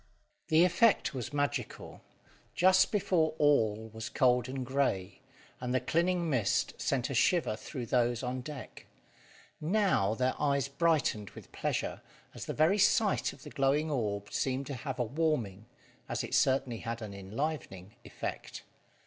The effect was magical. Just before all was cold and grey, and the clinging mist sent a shiver through those on deck; now, their eyes brightened with pleasure, as the very sight of the glowing orb seemed to have a warming as it certainly had an enlivening effect.